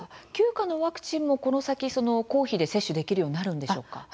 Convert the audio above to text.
９価のワクチンもこの先、公費で接種できるようになるのでしょうか。